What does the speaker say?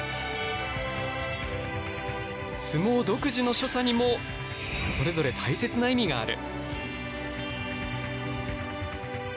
相撲独自の所作にもそれぞれ大切な意味がある。